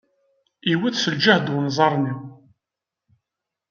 Iwet s ljehd unẓar-nni.